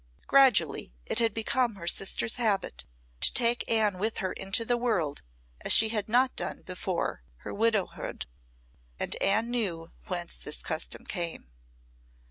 Gradually it had become her sister's habit to take Anne with her into the world as she had not done before her widowhood, and Anne knew whence this custom came.